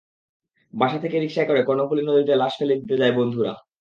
বাসা থেকে রিকশায় করে কর্ণফুলী নদীতে লাশ ফেলে দিতে যায় বন্ধুরা।